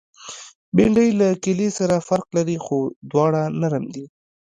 بېنډۍ له کیلې سره فرق لري، خو دواړه نرم دي